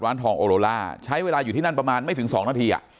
ร้านทองโอโลล่าใช้เวลาอยู่ที่นั่นประมาณไม่ถึง๒นาที